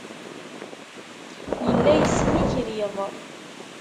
Yella yesmikriḍ.